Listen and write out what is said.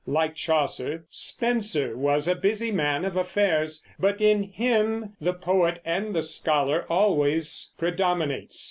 Like Chaucer, Spenser was a busy man of affairs, but in him the poet and the scholar always predominates.